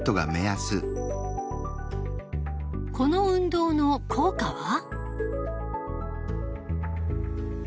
この運動の効果は？